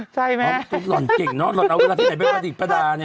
ใช่ไหมตุ๊กหล่อนเก่งเน่าเวลาที่ไหนไม่เอาประติภัดานี่